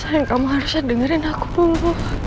sayang kamu harusnya dengerin aku dulu